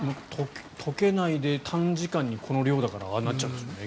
解けないで短時間にこの量だからああなっちゃうんでしょうね。